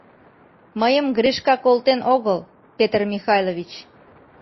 — Мыйым Гришка колтен огыл, Петр Михайлович.